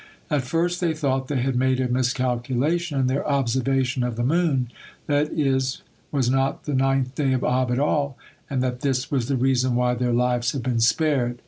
At first they thought they had made a miscalculation in their observation of the moon, that is was not the ninth day of Ab at all, and that this was the reason why their lives had been spared.